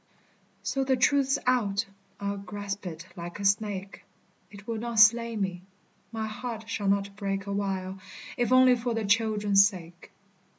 So, the truth's out. I'll grasp it like a snake, It will not slay me. My heart shall not break Awhile, if only for the children's sake.